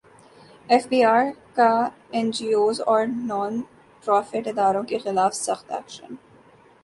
F B رکا N G Os اور non profit اداروں کیخلاف سخت ایکشن